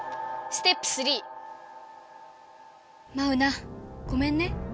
ステップ３！マウナごめんね。